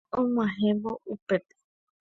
Pychãi og̃uahẽvo upépe.